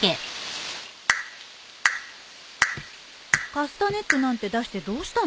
カスタネットなんて出してどうしたの？